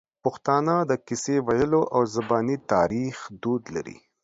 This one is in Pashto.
پښتانه د کیسې ویلو او زباني تاریخ دود لري.